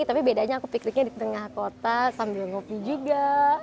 tapi bedanya aku pikliknya di tengah kota sambil ngopi juga